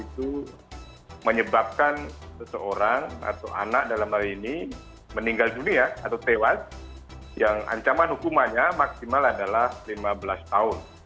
itu menyebabkan seseorang atau anak dalam hal ini meninggal dunia atau tewas yang ancaman hukumannya maksimal adalah lima belas tahun